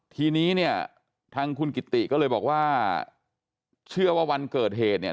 ทีนี้เนี่ยทางคุณกิติก็เลยบอกว่าเชื่อว่าวันเกิดเหตุเนี่ย